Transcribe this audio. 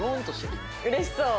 うれしそう！